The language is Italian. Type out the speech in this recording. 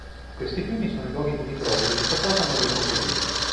Questi fiumi sono i luoghi di ritrovo dell'ippopotamo e del coccodrillo.